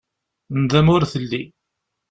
Nndama ur telli.